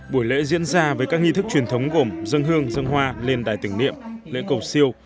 buổi lễ diễn ra với các nghi thức truyền thống gồm dân hương dân hoa lên đài tưởng niệm lễ cầu siêu